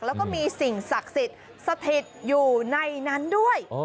แล้วก็มีสิ่งศักดิ์สิทธิ์สถิตอยู่ในนั้นด้วย